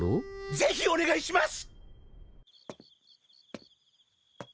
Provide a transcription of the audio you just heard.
ぜひお願いします！